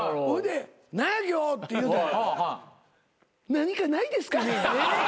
「何かないですかね？」